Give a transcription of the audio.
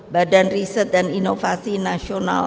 badan riset dan inovasi nasional